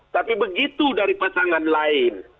tapi begitu dari pasangan lain